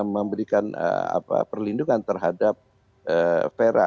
memberikan perlindungan terhadap fera